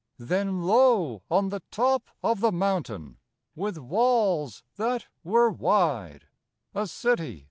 Then, lo! on the top of the mountain, With walls that were wide, A city!